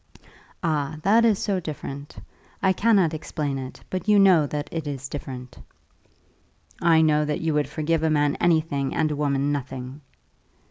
"Ah, that is so different! I cannot explain it, but you know that it is different." "I know that you would forgive a man anything, and a woman nothing."